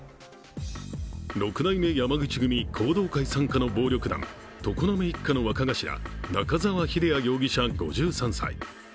六代目山口組、弘道会傘下の暴力団常滑一家の若頭、中澤秀也容疑者、５３歳。